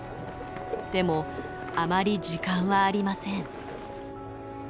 でもあまり時間はありません。